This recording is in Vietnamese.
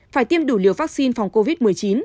phải tiêm đủ liều vaccine phòng covid một mươi chín